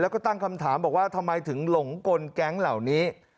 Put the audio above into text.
แล้วก็ตั้งคำถามบอกว่าทำไมถึงหลงกลแก๊งเหล่านี้